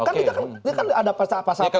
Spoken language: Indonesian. kan ini kan ada pasal pasal